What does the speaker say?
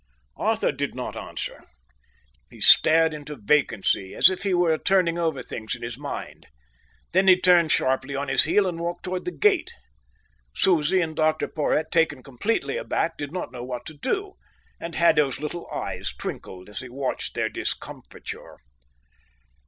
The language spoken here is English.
Arthur did not answer. He stared into vacancy, as if he were turning over things in his mind. Then he turned sharply on his heel and walked towards the gate. Susie and Dr Porhoët, taken completely aback, did not know what to do; and Haddo's little eyes twinkled as he watched their discomfiture.